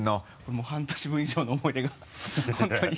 もう半年分以上の思い出が本当に。